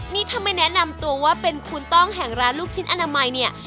นี่ถ้าไม่แนะนำตัวว่าเป็นคุณต้องแห่งร้านลูกชิ้นอนามัยเนี่ย